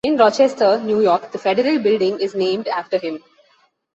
In Rochester, New York the federal building is named after him.